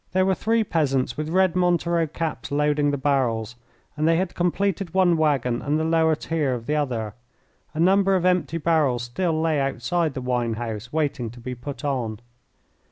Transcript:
There were three peasants with red montero caps loading the barrels, and they had completed one waggon and the lower tier of the other. A number of empty barrels still lay outside the wine house waiting to be put on.